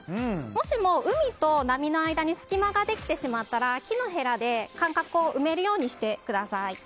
もしも海と波の間に隙間ができてしまったら木のへらで間隔を埋めるようにしてください。